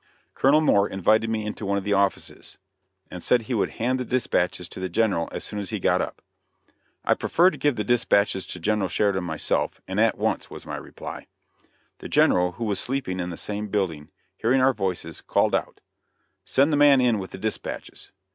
Colonel Moore invited me into one of the offices, and said he would hand the dispatches to t h e General as soon as he got up. [Illustration: DELIVERING DISPATCHES TO SHERIDAN.] "I prefer to give these dispatches to General Sheridan myself, and at once," was my reply. The General, who was sleeping in the same building, hearing our voices, called out, "Send the man in with the dispatches."